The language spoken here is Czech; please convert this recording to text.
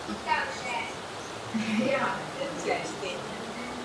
V dětství přišla o otce při letecké nehodě na Aljašce.